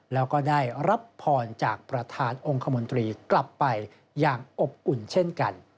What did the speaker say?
แล้วก็ได้รับพรจากประธานองค์คมนตรีกลับไปอย่างอบอุ่นเช่นกัน